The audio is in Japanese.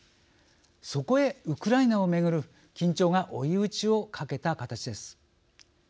そこへウクライナをめぐる緊張が追い打ちをかけた形です。